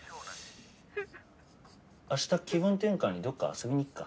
明日気分転換にどこか遊びに行くか？